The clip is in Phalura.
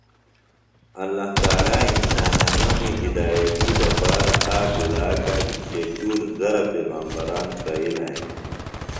اللہ تعالیٰ انسانانومی ہدایتی دپارہ آک لاکا بھیشے چُور زرہ پیغمبران پھریلہ ہنہۡ۔